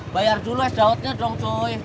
bayar dulu es daudnya dong cuy